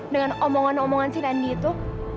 dengan omongan omongan si nandi itu